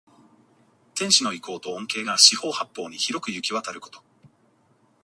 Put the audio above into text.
天子の威光と恩恵が四方八方に広くゆきわたること。